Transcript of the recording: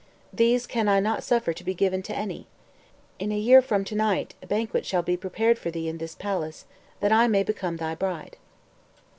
These can I not suffer to be given to any. In a year from to night, a banquet shall be prepared for thee in this palace, that I may become thy bride."